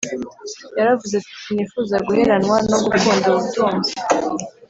Yaravuze ati sinifuza guheranwa no gukunda ubutunzi